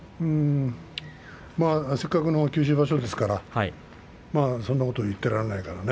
せっかくの九州場所ですからそんなことは言っていられないからね。